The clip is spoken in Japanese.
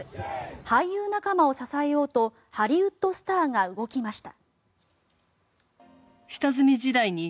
俳優仲間を支えようとハリウッドスターが動きました。